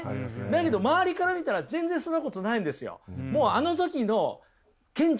だけど周りから見たら全然そんなことないんですよ！